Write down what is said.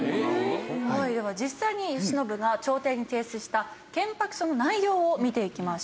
はいでは実際に慶喜が朝廷に提出した建白書の内容を見ていきましょう。